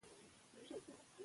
د کور نظم د نارینه په ذمه دی.